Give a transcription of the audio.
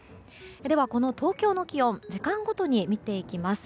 では、東京の気温を時間ごとに見ていきます。